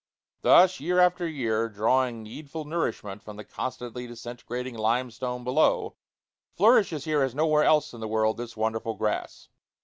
Thus, year after year, drawing needful nourishment from the constantly disintegrating limestone below, flourishes here as nowhere else in the world this wonderful grass.